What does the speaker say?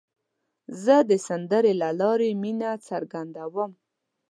زه د سندرې له لارې مینه څرګندوم.